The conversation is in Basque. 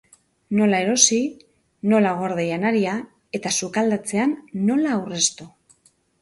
Nola erosi, nola gorde janaria eta sukaldatzean nola aurreztu.